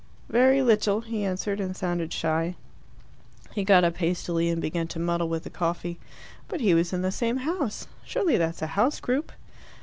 "Very little," he answered, and sounded shy. He got up hastily, and began to muddle with the coffee. "But he was in the same house. Surely that's a house group?"